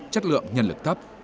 chất lượng nhân lực thấp